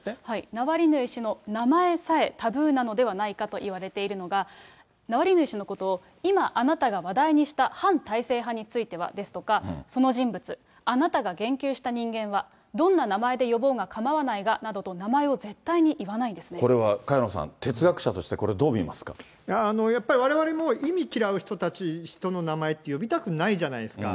ナワリヌイ氏の名前さえタブーなのではないかといわれているのが、ナワリヌイ氏のことを、今、あなたが話題にした反体制派についてはですとか、ですとか、その人物、あなたが言及した人間は、どんな名前で呼ぼうが構わないがなどと名前を絶対に言わないんでこれは萱野さん、哲学者としやっぱりわれわれも、忌み嫌う人たち、人の名前って、呼びたくないじゃないですか。